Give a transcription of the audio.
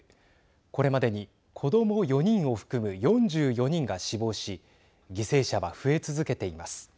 これまでに子ども４人を含む４４人が死亡し犠牲者は増え続けています。